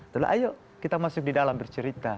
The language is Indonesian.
terus ayo kita masuk di dalam bercerita